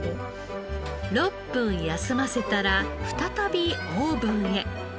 ６分休ませたら再びオーブンへ。